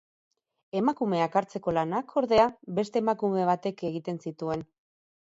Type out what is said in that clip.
Emakumeak hartzeko lanak, ordea, beste emakume batek egiten zituen.